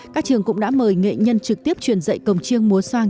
các trường cũng đã mời nghệ nhân trực tiếp truyền dạy cổng chiêng múa soang